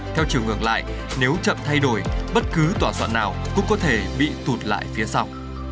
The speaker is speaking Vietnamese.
theo chiều ngược lại nếu chậm thay đổi bất cứ tòa soạn nào cũng có thể bị tụt lại phía sau